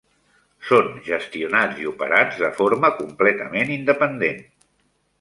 Són gestionats i operats de forma completament independent.